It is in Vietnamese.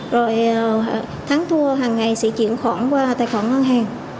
rồi tháng thua hàng ngày sẽ chuyển khoản qua tài khoản ngân hàng